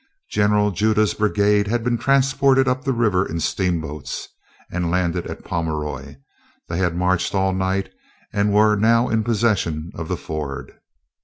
General Judah's brigade had been transported up the river in steamboats, and landed at Pomeroy. They had marched all night, and were now in possession of the ford.